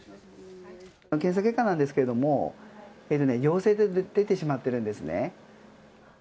検査結果なんですけれども、陽性と出てしまってるんですね。